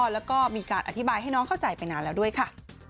แล้วก็มีการอธิบายให้น้องเข้าใจไปนานแล้วด้วยค่ะ